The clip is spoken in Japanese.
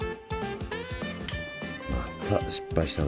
また失敗したな。